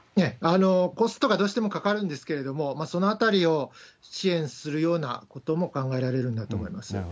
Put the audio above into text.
コストがどうしてもかかるんですけれども、そのあたりを支援するようなことも考えられるんだと思います。